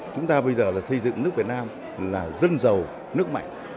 chúng ta bây giờ là xây dựng nước việt nam là dân giàu nước mạnh